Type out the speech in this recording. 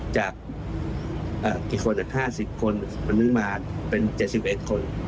จากอ่ากี่คนอ่ะห้าสิบคนมันนึงมาเป็นเจ็ดสิบเอ็ดคน